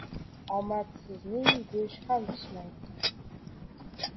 • Omadsizning go‘shti ham pishmaydi.